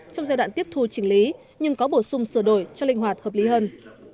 trong giai đoạn tiếp thu chỉnh lý nhưng có bổ sung sửa đổi cho linh hoạt hợp lý hơn